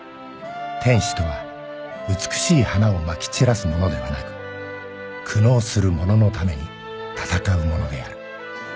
「天使とは美しい花を撒き散らす者ではなく苦悩する者のために戦う者である」